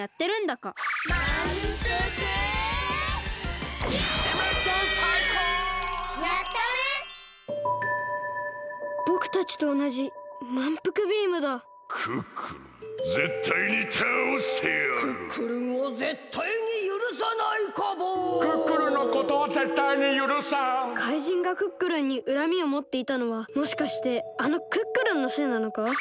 こころのこえ怪人がクックルンにうらみをもっていたのはもしかしてあのクックルンのせいなのか？